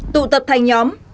tụ tập thành nhóm